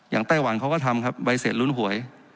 ไต้หวันเขาก็ทำครับใบเสร็จลุ้นหวย